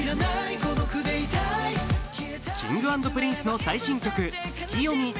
Ｋｉｎｇ＆Ｐｒｉｎｃｅの最新曲「ツキヨミ」。